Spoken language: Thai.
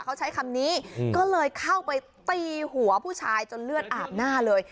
เขาใช้คำนี้ก็เลยเข้าไปตีหัวผู้ชายจนเลือดอาบหน้าเลย